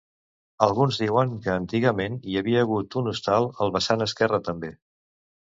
Alguns diuen que antigament hi havia hagut un hostal al vessant esquerre també.